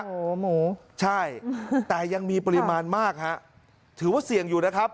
โอ้โหหมูใช่แต่ยังมีปริมาณมากฮะถือว่าเสี่ยงอยู่นะครับ